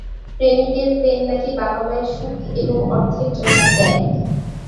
প্রেমীদের প্রেম নাকি বাবা-মায়ের সুখ এবং অর্থের জন্য ত্যাগ।